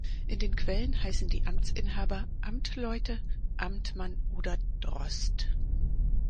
In den Quellen heißen die Amtsinhaber „Amtleute“, „Amtmann“ oder „Drost“.